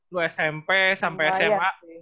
lu smp sampai sma